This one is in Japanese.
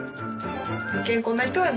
健康な人はね